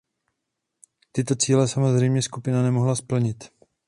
Tyto cíle samozřejmě skupina nemohla splnit.